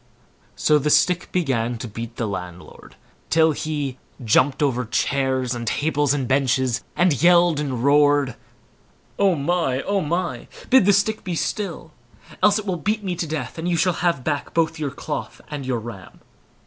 So the stick began to beat the landlord, till he jumped over chairs, and tables, and benches, and yelled and roared: "Oh my! oh my! bid the stick be still, else it will beat me to death, and you shall have back both your cloth and our ram."